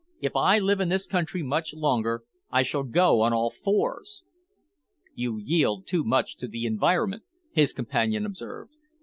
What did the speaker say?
If I live in this country much longer, I shall go on all fours." "You yield too much to environment," his companion observed.